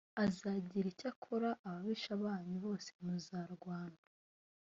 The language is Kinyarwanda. azagira icyakora ababisha banyu bose muzarwana.